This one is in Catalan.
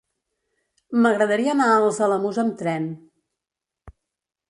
M'agradaria anar als Alamús amb tren.